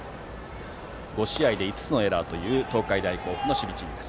５試合で５つのエラーという東海大甲府の守備陣。